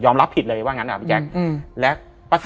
ยอมรับผิดเลยว่างั้นนะครับพี่แจ๊กและประศรี